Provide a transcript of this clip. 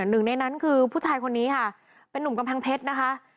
หนึ่งในนั้นคือผู้ชายคนนี้ค่ะเป็นนุ่มกำแพงเพชรนะคะ